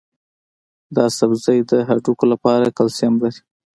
دا سبزی د هډوکو لپاره کلسیم لري.